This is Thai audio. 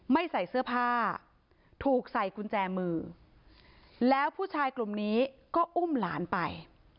ไม่ใส่เสื้อผ้าถูกใส่กุญแจมือแล้วผู้ชายกลุ่มนี้ก็อุ้มหลานไป